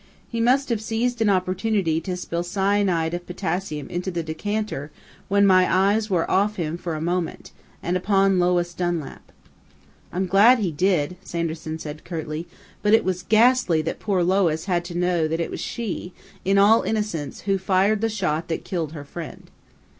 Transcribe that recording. He must have seized an opportunity to spill cyanide of potassium into the decanter when my eyes were off him for a moment and upon Lois Dunlap." "I'm glad he did," Sanderson said curtly. "But it was ghastly that poor Lois had to know that it was she, in all innocence, who fired the shot that killed her friend."